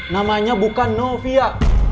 namanya bukan novia